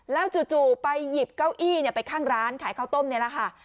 แล้วจู่ไปหยิบเก้าอี้ไปข้างร้านขายข้าวต้มนี่แหละค่ะ